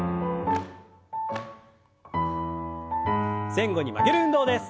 前後に曲げる運動です。